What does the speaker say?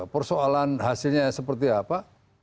persoalan hasilnya seperti apa